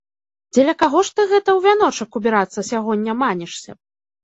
Дзеля каго ж ты гэта ў вяночак убірацца сягоння манішся?